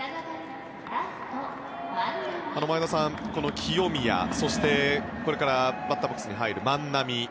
前田さん、清宮そしてこれからバッターボックスに入る万波。